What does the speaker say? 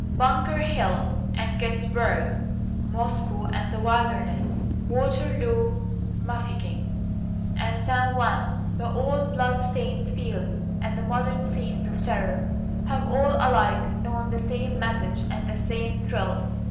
Bunker Hill and Gettysburg, Moscow and the Wilderness, Waterloo, Mafeking, and San Juan the old blood stained fields and the modern scenes of terror have all alike known the same message and the same thrill.